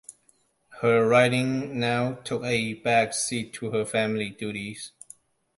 Her writing now took a back seat to her family duties.